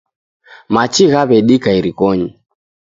Machi ghaw'edika irikonyi